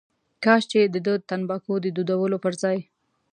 کاش چې دده تنباکو د دودولو پر ځای.